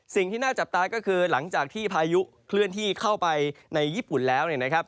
สิ่งที่น่าจับตาก็คือหลังจากที่พายุเคลื่อนที่เข้าไปในญี่ปุ่นแล้วเนี่ยนะครับ